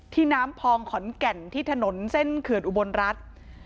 น้ำพองขอนแก่นที่ถนนเส้นเขื่อนอุบลรัฐ